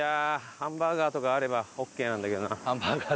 ハンバーガーとかあればオッケーなんだけどな。